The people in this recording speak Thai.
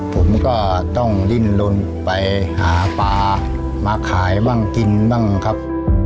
ผมก็ต้องดิ้นลนไปหาปลามาขายบ้างกินบ้างครับ